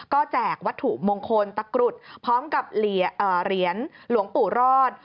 ก็แจกวัตถุมงคลตะกรุดพร้อมกับเหรียญหลวงปู่รอด